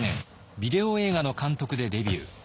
ビデオ映画の監督でデビュー。